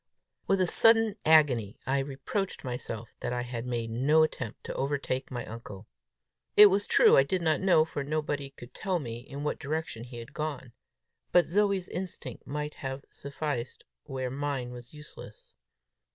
With a sudden agony, I reproached myself that I had made no attempt to overtake my uncle. It was true I did not know, for nobody could tell me, in what direction he had gone; but Zoe's instinct might have sufficed where mine was useless!